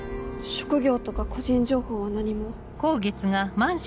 職業とか個人情報は何も。